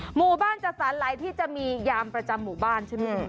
หมู่บ้านจัดสรรหลายที่จะมียามประจำหมู่บ้านใช่ไหม